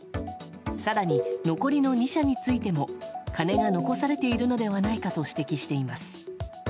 更に残りの２社についても金が残されているのではないかと指摘します。